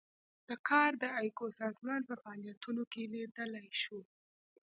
دا کار د ایکو سازمان په فعالیتونو کې لیدلای شو.